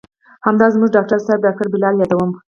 همدا زموږ ډاکتر صاحب ډاکتر بلال يادوم.